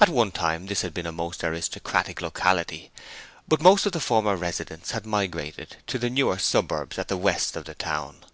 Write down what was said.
At one time this had been a most aristocratic locality, but most of the former residents had migrated to the newer suburb at the west of the town.